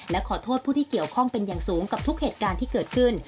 และขอโทษผู้ที่เกี่ยวข้องเป็นอย่างสูงกับทุกเหตุการณ์ที่เกิดขึ้น